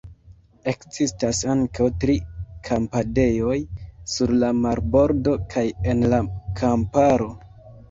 Ekzistas ankaŭ tri kampadejoj – sur la marbordo kaj en la kamparo.